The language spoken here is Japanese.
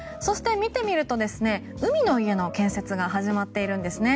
見てみると、海の家の建設が始まっているんですね。